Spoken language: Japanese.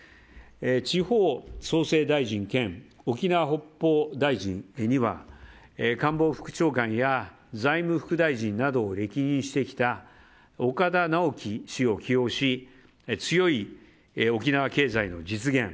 地方創生大臣兼沖縄・北方大臣には官房副長官や財務副大臣などを歴任してきた岡田直樹氏を起用し強い沖縄経済の実現